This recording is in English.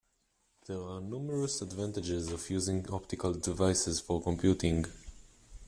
There are numerous advantages of using optical devices for computing.